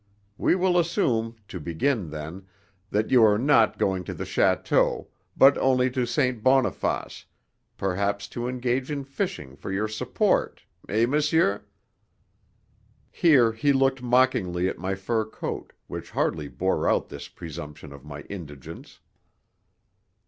We will assume, to begin then, that you are not going to the château, but only to St. Boniface, perhaps to engage in fishing for your support. Eh, monsieur?" Here he looked mockingly at my fur coat, which hardly bore out this presumption of my indigence.